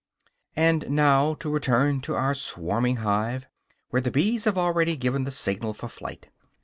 And now to return to our swarming hive, where the bees have already given the signal for flight.